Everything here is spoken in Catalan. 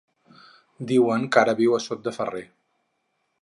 Diuen que ara viu a Sot de Ferrer.